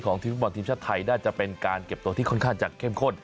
ทีมฟุตบอลทีมชาติไทยน่าจะเป็นการเก็บตัวที่ค่อนข้างจะเข้มข้น